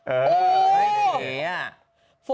โอ้โห